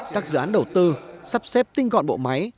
các dự án đầu tư sắp xếp tinh gọn bộ máy